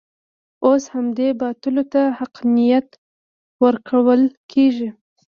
اوس همدې باطلو ته حقانیت ورکول کېږي.